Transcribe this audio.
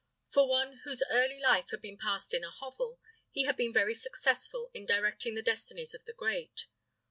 For one whose early life had been passed in a hovel, he had been very successful in directing the destinies of the great.